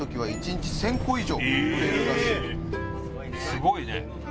すごいね。